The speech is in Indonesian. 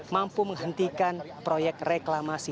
mampu menghentikan proyek reklamasi